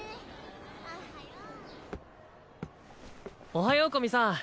おはよう古見さん。